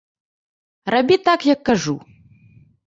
Рабі так, як кажу.